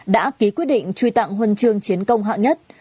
đã ký quyết định truy tặng huân chương chiến công hạng nhất